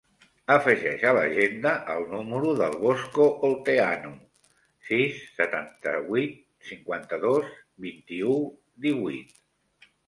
Afegeix a l'agenda el número del Bosco Olteanu: sis, setanta-vuit, cinquanta-dos, vint-i-u, divuit.